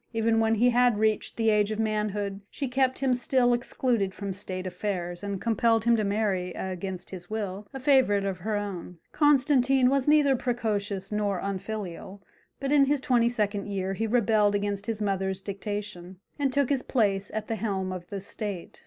Even when he had reached the age of manhood she kept him still excluded from state affairs, and compelled him to marry, against his will, a favourite of her own. Constantine was neither precocious nor unfilial, but in his twenty second year he rebelled against his mother's dictation, and took his place at the helm of the state.